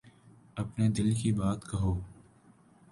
اپنے دل کی بات کہو۔